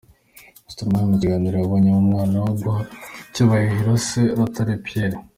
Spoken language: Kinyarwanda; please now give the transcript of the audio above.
Stromae muri iki gitaramo yaboneyeho umwanya wo guha icyubahiro se, Rutare Pierre .